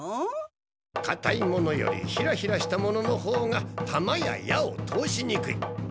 かたいものよりヒラヒラしたもののほうが弾や矢を通しにくい。